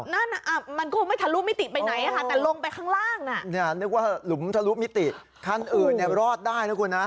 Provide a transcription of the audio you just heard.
นั่นอ่ะมันคงไม่ทะลุมิติไปไหนอะค่ะแต่ลงไปข้างล่างน่ะนึกว่าหลุมทะลุมิติคันอื่นเนี่ยรอดได้นะคุณนะ